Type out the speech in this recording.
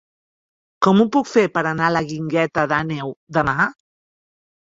Com ho puc fer per anar a la Guingueta d'Àneu demà?